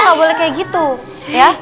kamu ga boleh kayak gitu ya